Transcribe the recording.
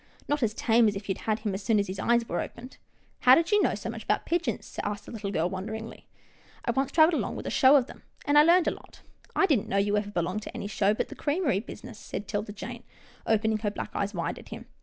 " Not as tame as if you had him as soon as his eyes were opened." " How did you know so much about pigeons? " asked the little girl, wonderingly. " I once travelled along with a show of them, and I learned a lot." " I didn't know you ever belonged to any show, but the creamery business," said 'Tilda Jane, open ing her black eyes wide at him.